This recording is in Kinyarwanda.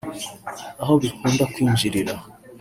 aho bikunda kwinjirira